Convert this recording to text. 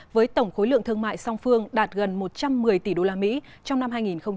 với tổng khối lượng thương mại song phương đạt gần một trăm một mươi tỷ usd trong năm hai nghìn hai mươi ba